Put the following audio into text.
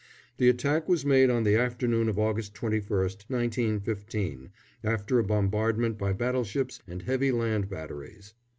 The attack was made on the afternoon of August 21st, 1915, after a bombardment by battleships and heavy land batteries.